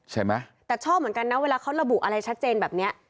ใช่ไหมแต่ชอบเหมือนกันนะเวลาเขาระบุอะไรชัดเจนแบบนี้